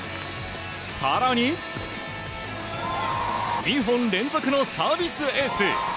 更に２本連続のサービスエース。